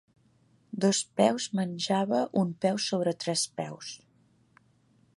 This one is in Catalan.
Dos peus menjava un peu sobre tres peus.